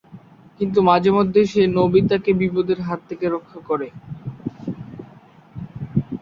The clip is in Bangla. কিন্তু মাঝে মধ্যে সে নোবিতা-কে বিপদের হাত থেকে রক্ষা করে।